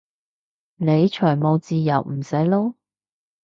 你財務自由唔使撈？